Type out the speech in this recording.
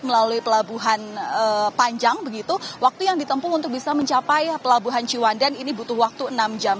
melalui pelabuhan panjang begitu waktu yang ditempuh untuk bisa mencapai pelabuhan ciwandan ini butuh waktu enam jam